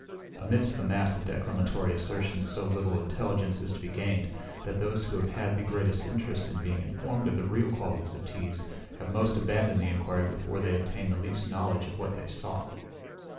Amidst a mass of declamatory assertion so little intelligence is to be gained, that those who have had the greatest interest in being informed of the real qualities of teas, have most abandoned the enquiry before they obtained the least knowledge of what they sought.